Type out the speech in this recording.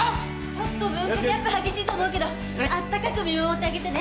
ちょっと文化ギャップ激しいと思うけど温かく見守ってあげてね。